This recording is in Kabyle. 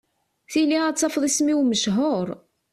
Tili ad tafeḍ isem-iw mechur.